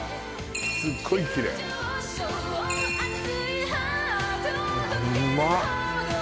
すっごいキレイうまっ！